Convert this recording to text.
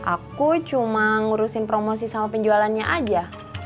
aku cuma ngurusin promosi sama penjualannya aja